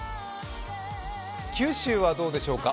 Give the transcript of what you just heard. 九州はどうでしょうか。